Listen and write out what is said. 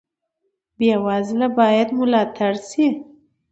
بې وزله باید ملاتړ شي